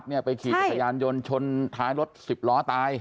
เด็กวัดไปขี่รถยานยนต์ชนท้ายรถสิบล้อตาย